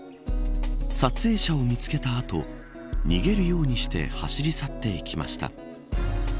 撮影者を見つけた後逃げるようにして走り去っていきました。